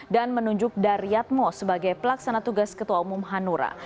dan menunjuk daryat mos sebagai pelaksana tugas ketua umum hanura